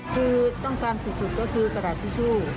คือต้องการสุดก็คือกระดาษทิชชู่